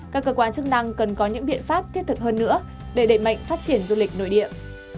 các cơ quan chức năng cần có những biện pháp thiết thực hơn nữa để đẩy mạnh phát triển du lịch nội địa